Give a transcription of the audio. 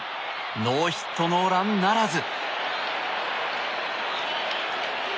ノーヒットノーランならず。